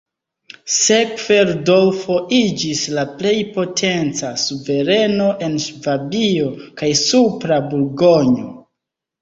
Sekve Rudolfo iĝis la plej potenca suvereno en Ŝvabio kaj Supra Burgonjo.